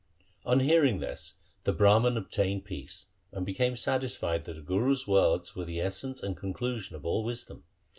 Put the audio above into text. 1 On hearing this the Brahman obtained peace, and became satisfied that the Guru's words were the essence and conclusion of all wisdom.